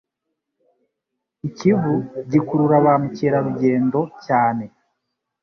ikivu gikurura ba mukerarugendo cyane